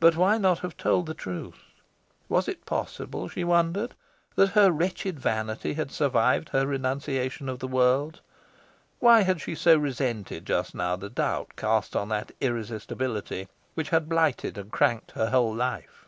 But why not have told the truth? Was it possible, she wondered, that her wretched vanity had survived her renunciation of the world? Why had she so resented just now the doubt cast on that irresistibility which had blighted and cranked her whole life?